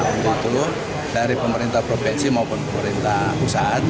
untuk itu dari pemerintah provinsi maupun pemerintah pusat